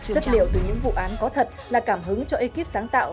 chất liệu từ những vụ án có thật là cảm hứng cho ekip sáng tạo